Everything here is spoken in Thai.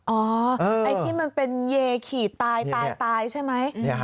ไอ้ที่มันเป็นเยขี่ตายตายใช่ไหม